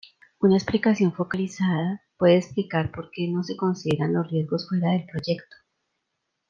Una explicación, focalizada, puede explicar porque no se considera los riesgos fuera del proyecto.